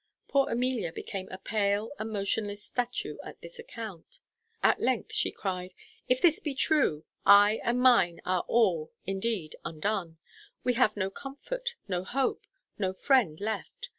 Poor Amelia became a pale and motionless statue at this account. At length she cried, "If this be true, I and mine are all, indeed, undone. We have no comfort, no hope, no friend left.